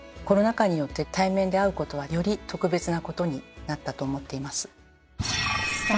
コロナ禍によって対面で会うことはより特別なことになったと思っています。